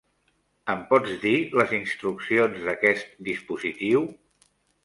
Em pots dir les instruccions d'aquest dispositiu?